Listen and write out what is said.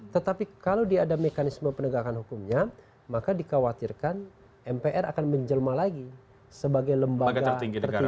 tetapi kalau dia ada mekanisme penegakan hukumnya maka dikhawatirkan mpr akan menjelma lagi sebagai lembaga tertinggi